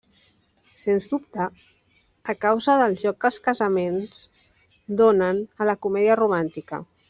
Sens dubte, a causa del joc que els casaments donen a la comèdia romàntica.